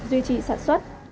duy trì sản xuất